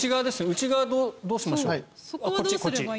内側はどうしましょう。